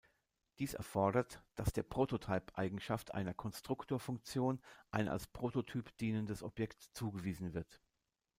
Dies erfordert, dass der prototype-Eigenschaft einer Konstruktor-Funktion ein als Prototyp dienendes Objekt zugewiesen wird.